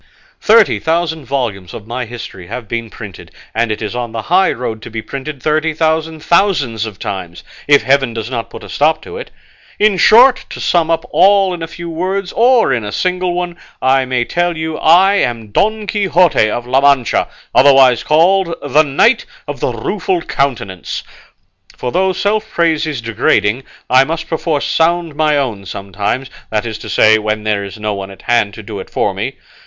Thirty thousand volumes of my history have been printed, and it is on the high road to be printed thirty thousand thousands of times, if heaven does not put a stop to it. In short, to sum up all in a few words, or in a single one, I may tell you I am Don Quixote of La Mancha, otherwise called 'The Knight of the Rueful Countenance;' for though self praise is degrading, I must perforce sound my own sometimes, that is to say, when there is no one at hand to do it for me.